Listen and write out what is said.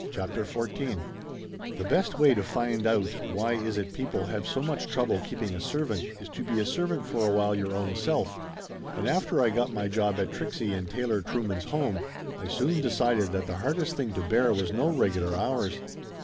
CHAPTER XIV ' I ^HE best way to find out why is it people have so * much trouble keeping a servant is to be a servant for a while your own self, and after I got my job at Trixie and Taylor Trueman's home I soon decided that the hardest thing to bear was no regular hours.